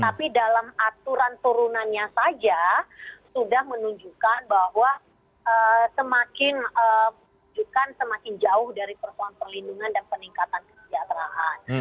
tapi dalam aturan turunannya saja sudah menunjukkan bahwa semakin menunjukkan semakin jauh dari persoalan perlindungan dan peningkatan kesejahteraan